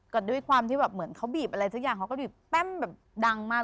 ก็ด้วยความที่แบบเหมือนเขาบีบอะไรสักอย่างเขาก็บีบแป้มแบบดังมาก